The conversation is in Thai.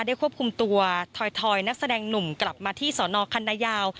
ควบคุมตัวถอยนักแสดงหนุ่มกลับมาที่สอนอคันนายาว